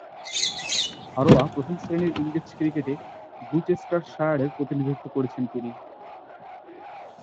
ঘরোয়া প্রথম-শ্রেণীর ইংরেজ ক্রিকেটে গ্লুচেস্টারশায়ারের প্রতিনিধিত্ব করেছেন তিনি।